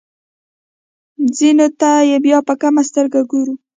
ځینو ته یې بیا په کمه سترګه ګورو.